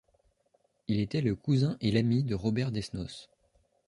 Il était le cousin et l'ami de Robert Desnos.